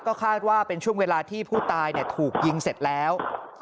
ก็คาดว่าเป็นช่วงเวลาที่ผู้ตายถูกยิงเสร็จแล้ว